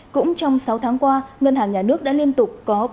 cũng trong sáu tháng qua ngân hàng nhà nước đã liên tục có